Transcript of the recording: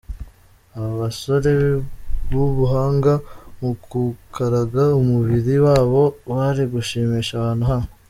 Abasore b’ubuhanga mu gukaraga umubiri wabo bari gushimisha abantu aho.